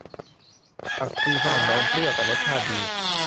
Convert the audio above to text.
ผักชีฝรั่งดองเปรี้ยวแต่รสชาติดี